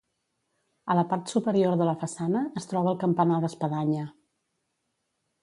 A la part superior de la façana es troba el campanar d'espadanya.